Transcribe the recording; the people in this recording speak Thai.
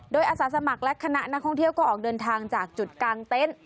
โดยอาสาสมัครและคณะนักท่องเที่ยวก็ออกเดินทางจากจุดกลางเต็นต์